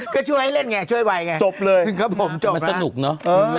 ก็ช่วยให้เล่นไงช่วยไวไงครับผมจบแล้วมันสนุกเนอะเออ